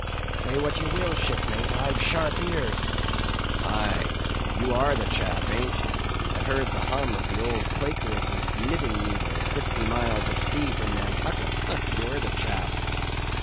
"Say what ye will, shipmate; I've sharp ears." "Aye, you are the chap, ain't ye, that heard the hum of the old Quakeress's knitting needles fifty miles at sea from Nantucket; you're the chap."